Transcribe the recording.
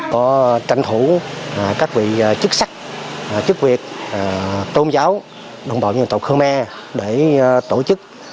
có tranh thủ các vị chức sắc chức việc tôn giáo đồng bào dân tộc khơ me để tổ chức